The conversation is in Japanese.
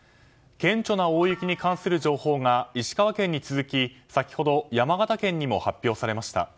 顕著な大雪に関する情報が石川県に続き先ほど山形県にも発表されました。